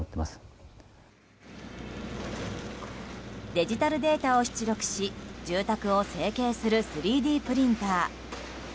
デジタルデータを出力し住宅を成形する３Ｄプリンター。